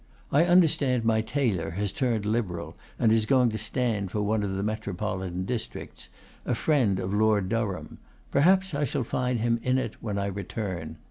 I understand my tailor has turned Liberal, and is going to stand for one of the metropolitan districts, a friend of Lord Durham; perhaps I shall find him in it when I return.